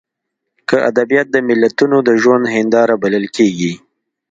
که ادبیات د ملتونو د ژوند هینداره بلل کېږي.